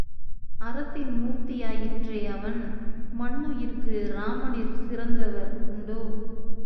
அறத்தின் மூர்த்தியாயிற்றே அவன், மன்னுயிர்க்கு ராமனிற் சிறந்தவர் உண்டோ?